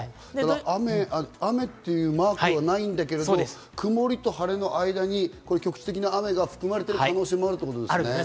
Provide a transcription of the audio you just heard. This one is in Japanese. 雨っていうマークはないんだけど曇りと晴れの間に局地的な雨が含まれてる可能性があるということですね。